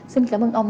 xin cảm ơn ông